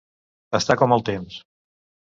Estar com el temps.